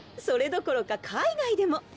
それどころか海外でも。